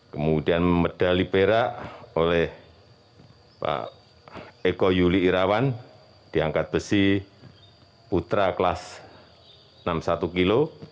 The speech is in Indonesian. kemudian medali perak oleh pak eko yuli irawan diangkat besi putra kelas enam puluh satu kilo